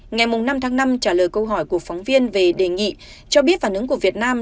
ngày năm tháng năm trả lời câu hỏi của phóng viên về đề nghị cho biết phản ứng của việt nam